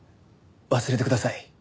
忘れてください。